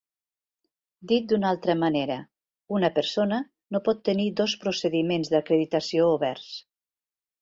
Dit d'una altra manera, una persona no pot tenir dos procediments d'acreditació oberts.